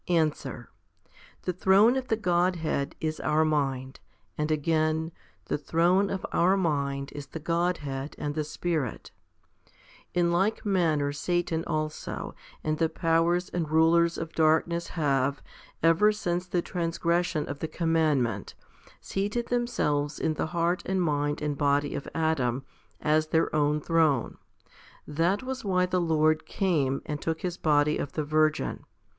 Answer. The throne of the Godhead is our mind, and again, the throne of our mind is the Godhead and the Spirit. In like manner Satan also and the powers and rulers of darkness have, ever since the transgression of the commandment, seated themselves in the heart and mind and body of Adam, as their own throne. That was why the Lord came, and took His body of the Virgin.